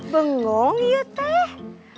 bengong ya teh